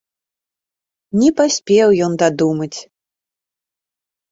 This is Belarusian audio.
Не паспеў ён дадумаць.